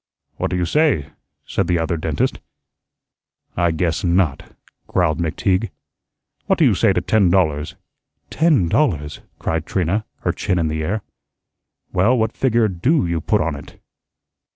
"What do you say?" said the Other Dentist. "I guess not," growled McTeague "What do you say to ten dollars?" "Ten dollars!" cried Trina, her chin in the air. "Well, what figure DO you put on it?"